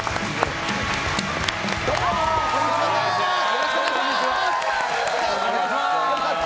よろしくお願いします。